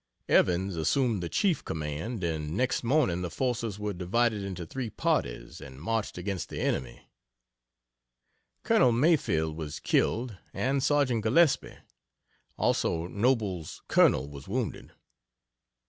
Evans assumed the chief command and next morning the forces were divided into three parties, and marched against the enemy. Col. Mayfield was killed, and Sergeant Gillespie, also Noble's colonel was wounded.